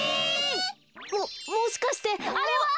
ももしかしてあれは！